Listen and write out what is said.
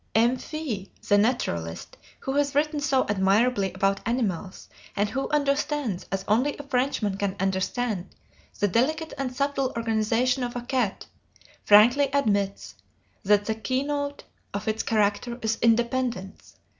M. Fee, the naturalist, who has written so admirably about animals, and who understands, as only a Frenchman can understand, the delicate and subtle organization of a cat, frankly admits that the keynote of its character is independence.